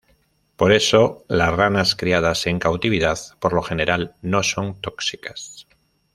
Por eso, las ranas criadas en cautividad por lo general no son tóxicas.